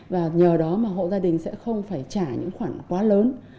và nhờ đó mà hộ gia đình sẽ không phải trả những khoản quá lớn